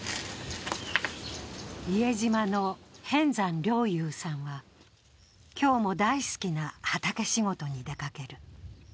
伊江島の平安山良有さんは、今日も大好きな畑仕事に出かける。